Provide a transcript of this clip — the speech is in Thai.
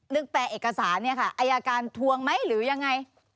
แปลเอกสารเนี่ยค่ะอายการทวงไหมหรือยังไง